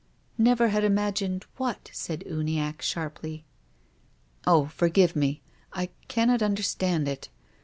"Never had imagined what?" said Uniacke, sharply. " Oh, forgive me. I cannot understand it.